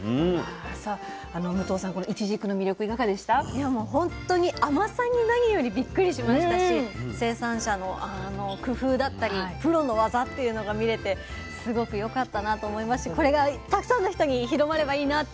いやもうほんとに甘さに何よりびっくりしましたし生産者の工夫だったりプロの技っていうのが見れてすごくよかったなと思いましてこれがたくさんの人に広まればいいなって